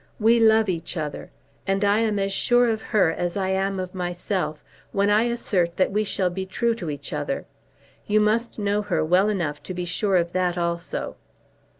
We love each other. And I am as sure of her as I am of myself when I assert that we shall be true to each other. You must know her well enough to be sure of that also."